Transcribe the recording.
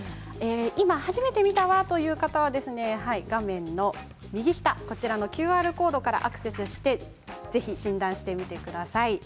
今、初めて見たわという方は画面右下のＱＲコードからアクセスしてぜひ診断してみてください。